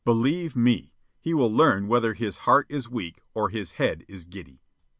Believe me, he will learn whether his heart is weak or his head is giddy.